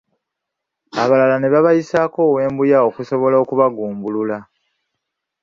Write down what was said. Abalala ne babayisaako ow'embuya okusobola okubagumbulula.